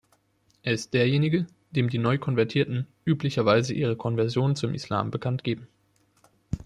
Er ist derjenige, dem die neu Konvertierten üblicherweise ihre Konversion zum Islam bekanntgeben.